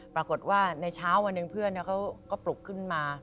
ปรากฏว่าในเช้าวันหนึ่งเพื่อนเขาก็ปลุกขึ้นมา